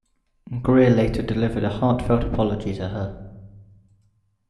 Greer later delivered a heartfelt apology to her.